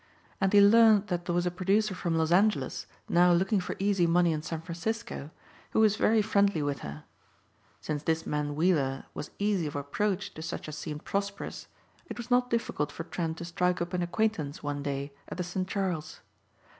And he learned that there was a producer from Los Angeles now looking for easy money in San Francisco who was very friendly with her. Since this man Weiller was easy of approach to such as seemed prosperous it was not difficult for Trent to strike up an acquaintance one day at the St Charles.